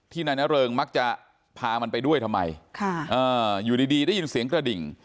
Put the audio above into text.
นายนเริงมักจะพามันไปด้วยทำไมอยู่ดีได้ยินเสียงกระดิ่ง